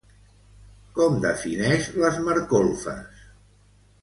Com defineix les marcolfes?